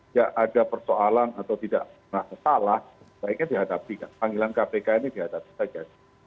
ya ada persoalan atau tidak merasa salah baiknya dihadapi panggilan kpk ini dihadapi saja